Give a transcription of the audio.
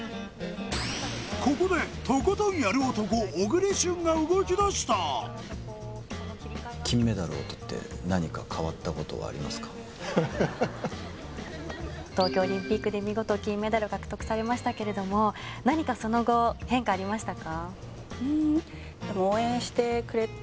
ここでとことんやる男小栗旬が動きだした東京オリンピックで見事金メダル獲得されましたけれども何かその後変化ありましたか？